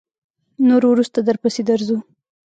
نور وروسته درپسې درځو.